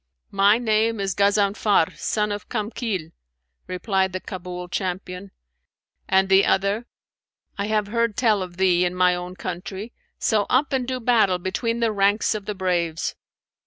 'My name is Ghazanfar[FN#555] son of Kamkhνl,' replied the Kabul champion; and the other, 'I have heard tell of thee in my own country; so up and do battle between the ranks of the braves!'